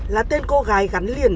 là tên cô gái gắn liền